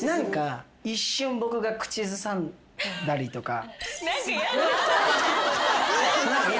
一瞬僕が口ずさんだりとか。